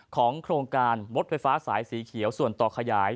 โครงการรถไฟฟ้าสายสีเขียวส่วนต่อขยาย